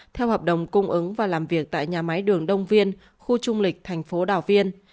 theo hợp đồng cung ứng và làm việc tại nhà máy đường đông viên khu trung lịch thành phố đào viên